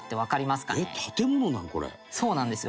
「そうなんですよ。